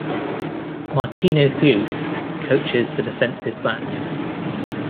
Martino Theus coaches the Defensive Backs.